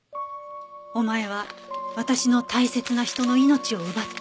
「おまえは私の大切な人の命を奪った」